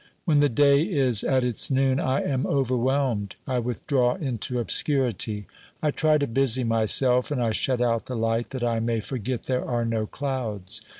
When the day is at its noon I am overwhelmed; I withdraw into obscurity ; I try to busy myself, and I shut out the light, that I may forget there are no clouds.